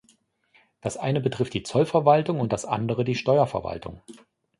Das eine betrifft die Zollverwaltung und das andere die Steuerverwaltung.